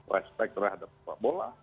respect terhadap bola